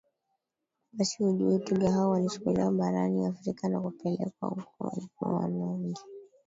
basi ujue twiga hao walichukuliwa barani Afrika na kupelekwa huko ulipo waona nje ya